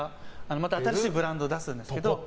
また新しいブランドを出すんですけど。